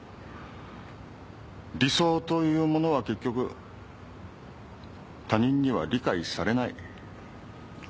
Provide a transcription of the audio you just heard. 理想というものは結局他人には理解されない。